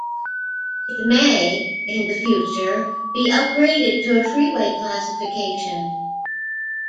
It may in the future be upgraded to a freeway classification.